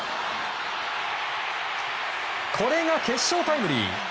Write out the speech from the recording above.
これが決勝タイムリー！